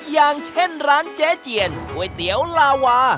อย่างเช่นร้านเจ๊เจียนก๋วยเตี๋ยวลาวา